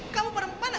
kamu pada mana